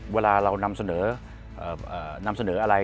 เวลาเรานำเสนออะไร